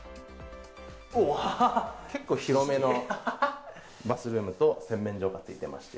結構広めのバスルームと洗面所がついてまして。